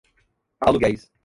aluguéis